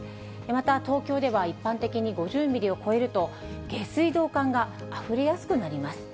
また東京では一般的に５０ミリを超えると、下水道管があふれやすくなります。